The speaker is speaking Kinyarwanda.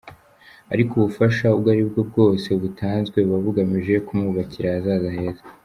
Ariko ubufasha ubwo ari bwo bwose butanzwe buba bugamije kumwubakira ahazaza heza.